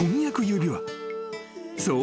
［そう。